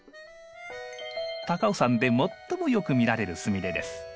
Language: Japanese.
高尾山で最もよく見られるスミレです。